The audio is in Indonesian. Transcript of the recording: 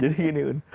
jadi gini un